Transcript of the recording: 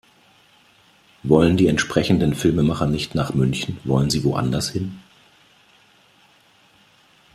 Wollen die entsprechenden Filmemacher nicht nach München, wollen sie woanders hin?